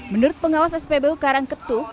menurut pengawas spbu karangketuk